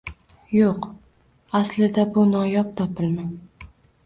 Yo‘q, aslida bu noyob topilma